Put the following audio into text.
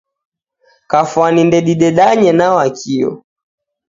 Kafwani ndedidedanye na Wakio